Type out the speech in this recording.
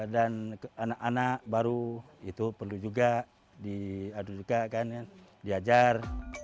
dan anak anak baru itu perlu juga diadu juga kan diajar